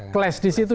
kelas di situ